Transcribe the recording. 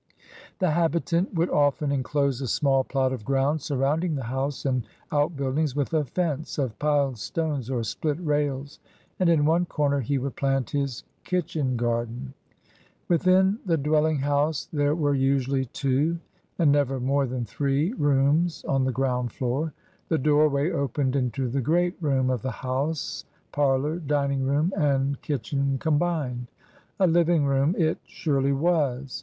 The habitant would often enclose HOW THE PEOPLE LIVED 209 a small plot of ground surrounding the house and outbuildings with a fence of piled stones or split rails, and in one comer he would plant his kitchen garden. Within the dwelling house there were usually two, and never more than three, rooms on the ground floor. The doorway opened into the great room of the house, parlor, dining room, and kitchen combined. A "living room it surely was!